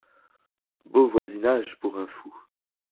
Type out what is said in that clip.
Beau voisinage pour un fou !